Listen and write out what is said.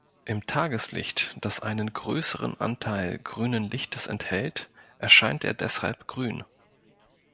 Im Tageslicht, das einen größeren Anteil grünen Lichtes enthält, erscheint er deshalb grün.